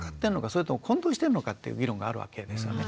それとも混同してるのかっていう議論があるわけですよね。